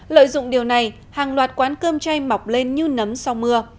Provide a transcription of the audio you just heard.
lợi dụng điều này hàng loạt quán cơm chay mọc lên như nấm sau mưa